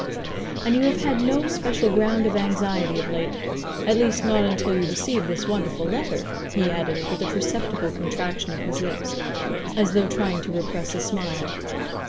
"And you have had no special ground of anxiety of late? At least not until you received this wonderful letter" he added, with a perceptible contraction of his lips, as though trying to repress a smile.